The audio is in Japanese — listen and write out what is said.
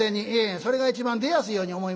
それが一番出やすいように思いますわ」。